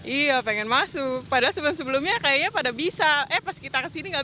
iya pengen masuk padahal sebelumnya kayaknya pada bisa eh pas kita kesini gak bisa